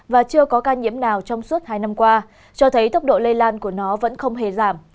và chưa có ca nhiễm nào trong suốt hai năm qua cho thấy tốc độ lây lan của nó vẫn không hề giảm